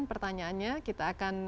pertanyaannya kita akan